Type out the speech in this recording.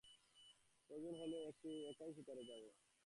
প্রয়োজন হলে একাই শিকারে যাবো।